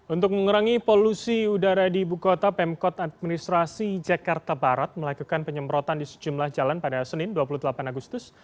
untuk mengurangi polusi udara di ibu kota pemkot administrasi jakarta barat melakukan penyemprotan di sejumlah jalan pada senin dua puluh delapan agustus